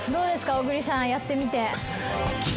小栗さんやってみて。